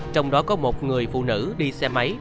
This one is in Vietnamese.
trong đó có một người phụ nữ đi xe máy